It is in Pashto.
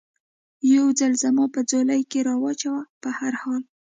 یو ځل زما په ځولۍ کې را و چوه، په هر حال.